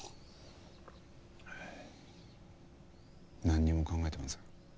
なんにも考えてません。